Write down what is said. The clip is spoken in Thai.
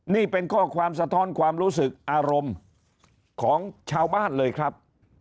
นี่เป็นข้อความสะท้อนความรู้สึกอารมณ์ของชาวบ้านเลยครับ